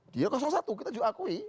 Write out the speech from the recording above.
dia satu kita juga akui